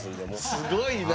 すごいな。